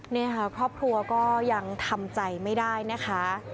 นี่ค่ะครอบครัวก็ยังทำใจไม่ได้นะคะ